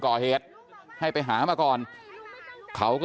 เดี๋ยวให้กลางกินขนม